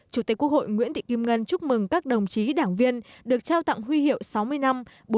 chủ tịch quốc hội nguyễn thị kim ngân chúc mừng các đồng chí đảng viên được trao tặng huy hiệu sáu mươi năm